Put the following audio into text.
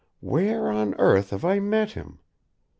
"Where on earth have I met him?